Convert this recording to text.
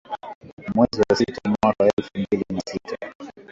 Mwezi wa sita mwaka wa elfu mbili na tisa